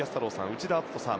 内田篤人さん。